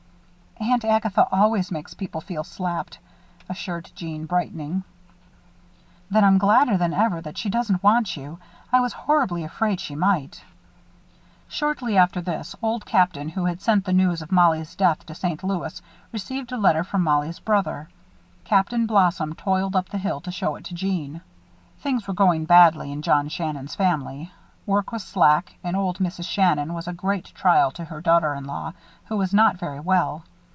"Aunt Agatha always makes people feel slapped," assured Jeanne, brightening. "Then I'm gladder than ever that she doesn't want you. I was horribly afraid she might." Shortly after this, Old Captain, who had sent the news of Mollie's death to St. Louis, received a letter from Mollie's brother. Captain Blossom toiled up the hill to show it to Jeanne. Things were going badly in John Shannon's family. Work was slack and old Mrs. Shannon was a great trial to her daughter in law, who was not very well.